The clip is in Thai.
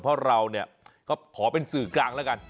เพราะเราเนี่ยก็ขอเป็นสื่อกลางแล้วกัน